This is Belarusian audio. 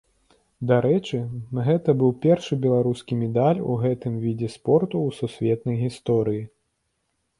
Дарэчы, гэта быў першы беларускі медаль у гэтым відзе спорту ў сусветнай гісторыі.